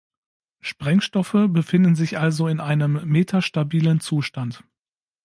Sprengstoffe befinden sich also in einem metastabilen Zustand.